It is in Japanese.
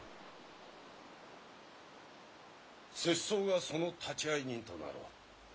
・拙僧がその立会人となろう。